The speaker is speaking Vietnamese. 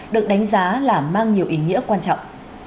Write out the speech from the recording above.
được đánh giá là mang nhiều ý nghĩa quan trọng